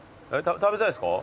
食べたいですか？